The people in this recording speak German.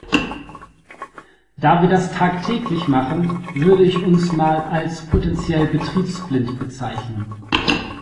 Da wir das tagtäglich machen, würde ich uns mal als potenziell betriebsblind bezeichnen.